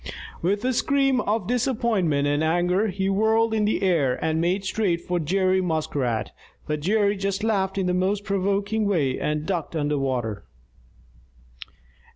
With a scream of disappointment and anger, he whirled in the air and made straight for Jerry Muskrat. But Jerry just laughed in the most provoking way and ducked under water.